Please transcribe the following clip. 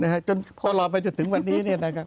ตอนรอบไปจนถึงวันนี้